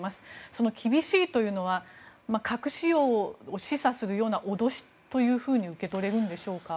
その厳しいというのは核使用を示唆するような脅しと受け取れるんでしょうか？